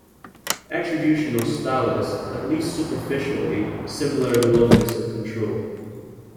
Attributional style is, at least superficially, similar to locus of control.